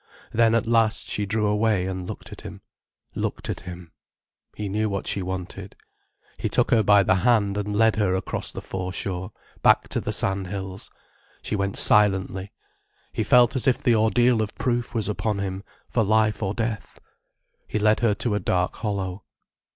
Then, at last, she drew away and looked at him—looked at him. He knew what she wanted. He took her by the hand and led her across the foreshore, back to the sandhills. She went silently. He felt as if the ordeal of proof was upon him, for life or death. He led her to a dark hollow.